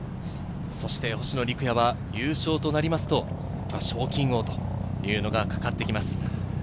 星野陸也は優勝となりますと、賞金王というのがかかってきます。